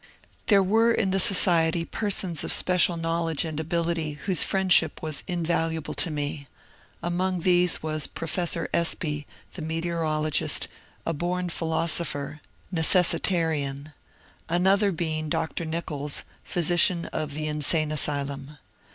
There were in the socie.ty persons of special knowledge [\<^ and ability whose friendship was invaluable to me. Among these was Professor Espy, the meteorologist, a bom philoso pher (necessitarian), another being Dr. Nichols, physician of _^^ the Insane Asylum.